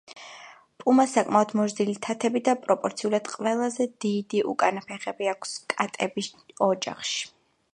პუმას საკმაოდ მოზრდილი თათები და პროპორციულად ყველაზე დიდი უკანა ფეხები აქვს კატების ოჯახში.